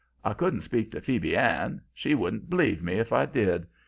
I couldn't speak to Phoebe Ann; she wouldn't b'lieve me if I did.